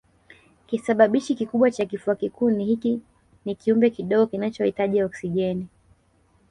Kisababishi kikubwa cha kifua kikuu ni hiiki ni kiumbe kidogo kinachohitaji oksijeni